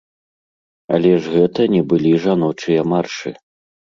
Але ж гэта не былі жаночыя маршы!